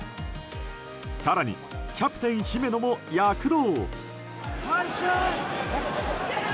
更に、キャプテン姫野も躍動。